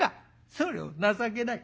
それを情けない。